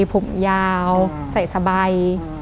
ผมยาวใส่สบาย